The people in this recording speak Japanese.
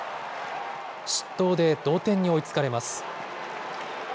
失投で同点に追いつかれます。